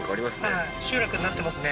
はい集落になってますね